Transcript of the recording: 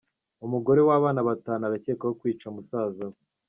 Umugore w’abana batanu arakekwaho kwica musaza we